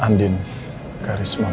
andin karisma putri